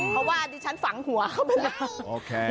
เพราะว่าดิฉันฝังหัวเขากันไป